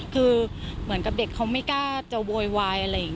คือเหมือนกับเด็กเขาไม่กล้าจะโวยวายอะไรอย่างนี้